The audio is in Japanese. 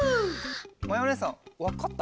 まやおねえさんわかった？